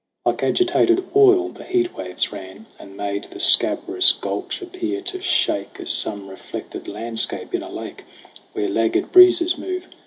Like agitated oil the heat waves ran And made the scabrous gulch appear to shake As some reflected landscape in a lake Where laggard breezes move.